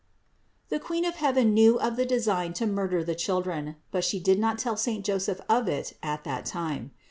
622. The Queen of heaven knew of the design to mur der the children ; but She did not tell saint Joseph of it at that time.